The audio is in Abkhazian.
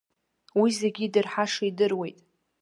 Уи зегьы идырҳаша идыруеит.